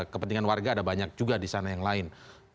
kepentingan warga ada banyak juga disana yang lain